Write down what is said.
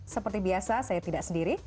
seperti biasa saya tidak sendiri